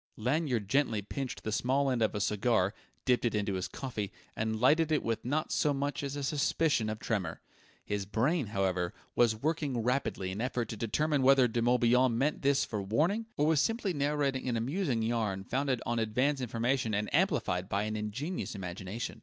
Lanyard gently pinched the small end of a cigar, dipped it into his coffee, and lighted it with not so much as a suspicion of tremor. His brain, however, was working rapidly in effort to determine whether De Morbihan meant this for warning, or was simply narrating an amusing yarn founded on advance information and amplified by an ingenious imagination.